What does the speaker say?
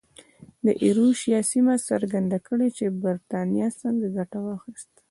د ایروشیا سیمه څرګنده کړي چې برېټانیا څنګه ګټه واخیسته.